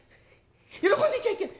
喜んでちゃいけない